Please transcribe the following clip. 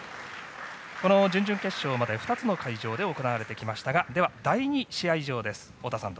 この準々決勝まで２つの会場で行われてきましたが第２試合場です。